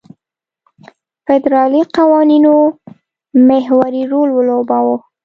فدرالي قوانینو محوري رول ولوباوه.